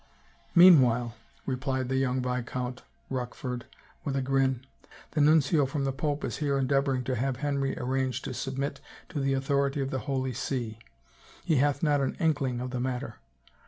" Meanwhile," replied the young Viscount Rochford with a grin, " the nuncio from the pope is here endeavor ing to have Henry arrange to submit to the authority of the Holy See! He hath not an inkling of the matter.